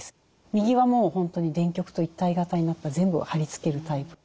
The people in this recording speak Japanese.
右はもう本当に電極と一体型になった全部貼り付けるタイプ。